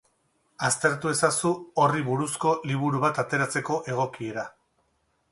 Aztertu ezazu horri buruzko liburu bat ateratzeko egokiera.